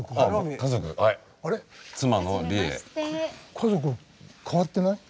家族変わってない？